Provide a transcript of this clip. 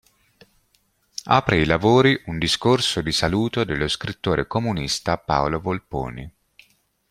Apre i lavori un discorso di saluto dello scrittore comunista Paolo Volponi.